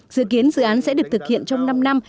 dự kiến dự án sẽ được thực hiện trong năm năm